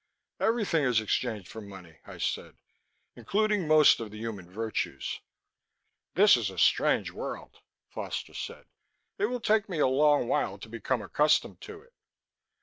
"Everything is exchanged for money," I said. "Including most of the human virtues." "This is a strange world," Foster said. "It will take me a long while to become accustomed to it."